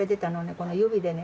この指でね